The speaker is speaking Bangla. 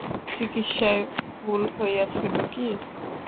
চিকিৎসায় ভুল হইয়াছিল কি?